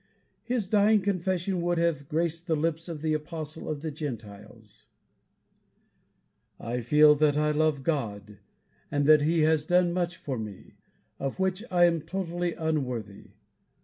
His dying confession would have graced the lips of the apostle of the Gentiles: "I feel that I love God, and that he has done much for me, of which I am totally unworthy.